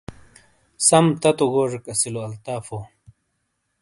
سَم تَتو گوجیک اَسِیلو الطافو۔